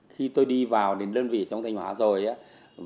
khi tôi đi vào đến đơn vị trong thanh hóa rồi